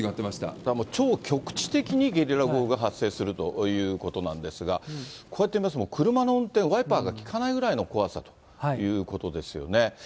だからもう超局地的にゲリラ豪雨が発生するということなんですが、こうやって見ると、車の運転、ワイパーが効かないくらいの怖さということですよね。